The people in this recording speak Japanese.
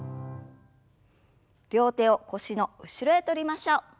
両手を腰の後ろへ取りましょう。